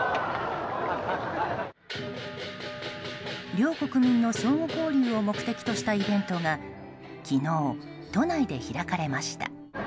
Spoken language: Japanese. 両国民の相互交流を目的としたイベントが昨日、都内で開かれました。